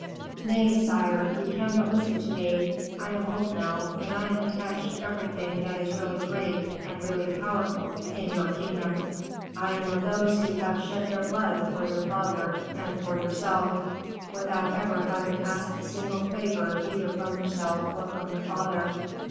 Nay, sire, you can but listen to me. I am old now, and I am attached to everything that is really great and really powerful in your kingdom. I am of those who have shed their blood for your father and for yourself, without ever having asked a single favor either from yourself or from your father.